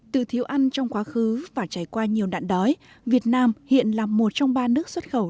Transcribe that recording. từ thiếu ăn trong quá khứ và trải qua nhiều nạn đói việt nam hiện là một trong ba nước xuất khẩu